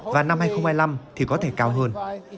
và năm hai nghìn hai mươi năm thì có thể cao hơn